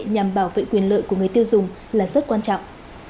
nhằm bảo vệ quyền lợi của người tiêu dùng là rất quan trọng